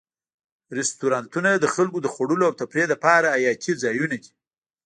رستورانتونه د خلکو د خوړلو او تفریح لپاره حیاتي ځایونه دي.